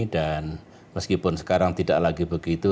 dan meskipun sekarang tidak lagi begitu